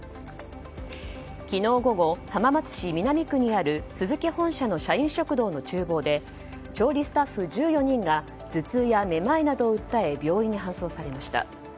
昨日午後、浜松市南区にあるスズキ本社の社員食堂の厨房で調理スタッフ１４人が頭痛やめまいなどを訴え病院に搬送されました。